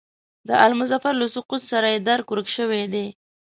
د آل مظفر له سقوط سره یې درک ورک شوی دی.